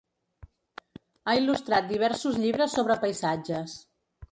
Ha il·lustrat diversos llibres sobre paisatges.